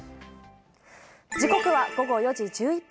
時刻は午後４時１１分。